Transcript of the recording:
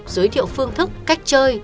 giới thiệu phương thức cách chơi